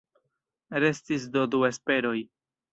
Restis do du esperoj.